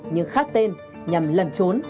nhưng khác tên nhằm lẩn trốn